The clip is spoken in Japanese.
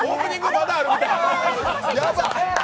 まだあるみたい。